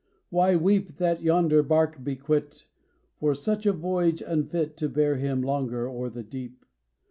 Why weep that yonder bark be quit? For such a voyager unfit, To bear him longer o'er the deep.